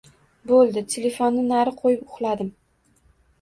Boʻldi, telefonni nari qoʻyib, uxladim.